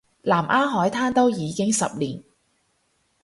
南丫海難都已經十年